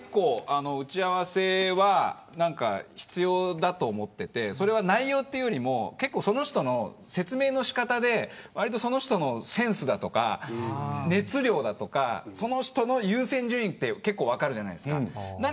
打ち合わせは僕は必要だと思ってて内容よりもその人の説明の仕方で割とその人のセンスとか熱量だとか、その人の優先順位が分かるじゃないですか。